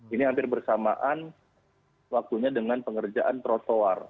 ini hampir bersamaan waktunya dengan pengerjaan trotoar